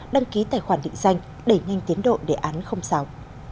đăng ký tài khoản định danh đẩy nhanh tiến độ để án không xảo